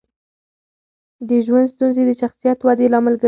د ژوند ستونزې د شخصیت ودې لامل ګرځي.